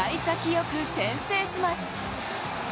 よく先制します。